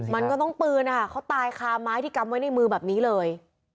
มันก็ต้องปืนนะคะเขาตายคาไม้ที่กำไว้ในมือแบบนี้เลย